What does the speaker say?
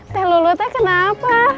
teh lulutnya kenapa